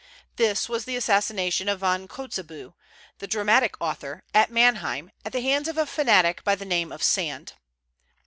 This was the assassination of Von Kotzebue, the dramatic author, at Manheim, at the hands of a fanatic by the name of Sand.